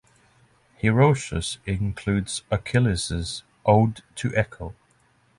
Heroicus includes Achilles' "Ode to Echo".